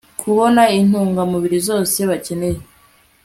kubona intungamubiri zose bakeneye